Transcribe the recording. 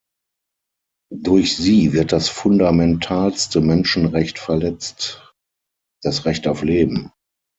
Durch sie wird das fundamentalste Menschenrecht verletzt, das Recht auf Leben.